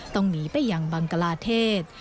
ต้องหนีไปยังบังกลาเทศ